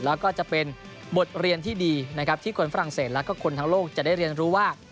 แล้วก็จะเป็นบทเรียนที่ดีนะครับที่คนฝรั่งเศสแล้วก็คนทั้งโลกจะได้เรียนรู้ว่า